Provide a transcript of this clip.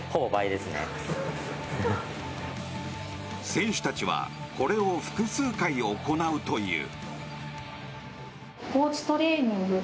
選手たちはこれを複数回行うという。